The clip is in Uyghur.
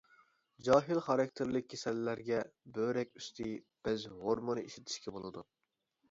جاھىل خاراكتېرلىك كېسەللەرگە بۆرەك ئۈستى بەز ھورمۇنى ئىشلىتىشكە بولىدۇ.